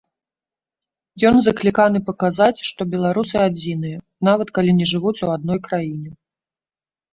Ён закліканы паказаць, што беларусы адзіныя, нават калі не жывуць у адной краіне.